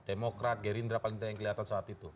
demokrat gerindra paling tidak yang kelihatan saat itu